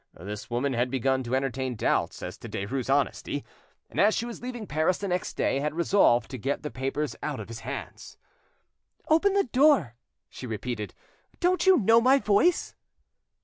This woman had begun to entertain doubts as to Derues' honesty, and as she was leaving Paris the next day, had resolved to get the papers out of his hands. "Open the door," she repeated. "Don't you know my voice?"